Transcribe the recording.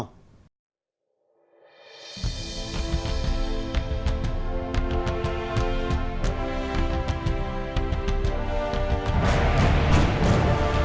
hẹn gặp lại